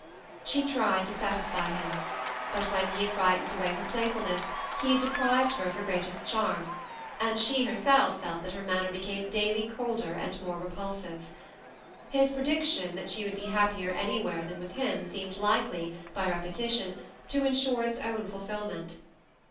She tried to satisfy him ; but when he had frightened away her playfulness, he had deprived her of her greatest charm, and she herself felt that her man ner became daily colder and more repulsive. His pre diction that she would be happier anywhere than with him seemed likely, by repetition, to insure its own ful filment.